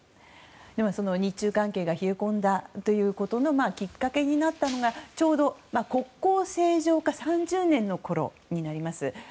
では、日中関係が冷え込んだきっかけになったのがちょうど国交正常化３０年のころになります。